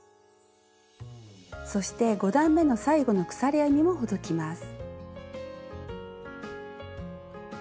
そして５段めの最後の鎖編みもほどきます。